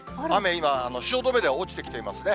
今、汐留では落ちてきていますね。